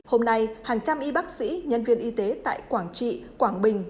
hôm nay hàng trăm y bác sĩ nhân viên y tế tại quảng trị quảng bình